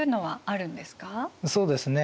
そうですね。